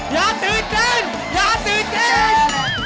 อย่าตื่นเต้นอย่าตื่นเต้น